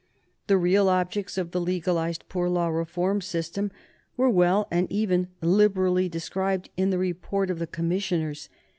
The real objects of the legalized poor law relief system were well and even liberally described in the report of the commissioners.